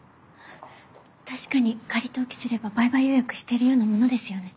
確かに仮登記すれば売買予約してるようなものですよね？